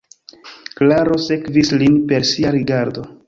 Klaro sekvis lin per sia rigardo.